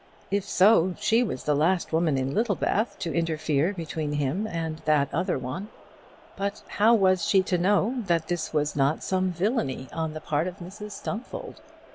If so, she was the last woman in Littlebath to interfere between him and that other one. But how was she to know that this was not some villainy on the part of Mrs Stumfold?